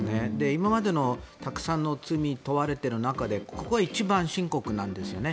今までのたくさんの罪に問われている中でここが一番深刻なんですよね。